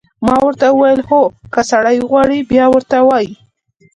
ما ورته وویل: هو، که سړی وغواړي، بیا ورته وایي.